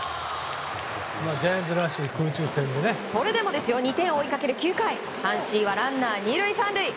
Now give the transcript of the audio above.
それでも２点を追いかける９回阪神はランナー２塁３塁。